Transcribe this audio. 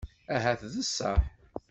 Ahat d ṣṣeḥ.